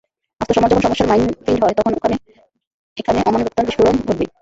আস্ত সমাজ যখন সমস্যার মাইনফিল্ড হয়, তখন এখানে ওখানে অমানবিকতার বিস্ফোরণ ঘটবেই।